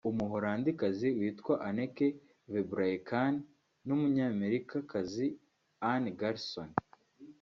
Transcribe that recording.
Umuholandikazi witwa Anneke Vebraeken n’Umunyamerikakazi Ann Garrison